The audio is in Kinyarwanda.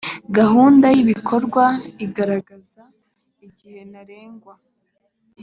gahunda y ‘ibikorwa igaragaraza igihe ntarengwa